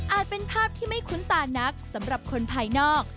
เป็นภาพที่ไม่คุ้นตานักสำหรับคนภายนอก